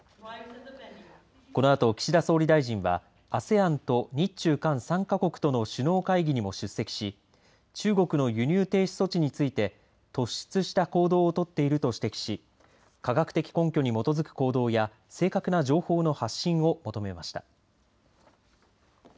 このあと岸田総理大臣はＡＳＥＡＮと日中韓３か国の首脳会議にも出席し中国の輸入停止措置について突出した行動を取っていると指摘し科学的根拠に基づく行動や正確な情報の発信を求めました。